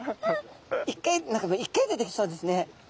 １回何か１回でできそうですね。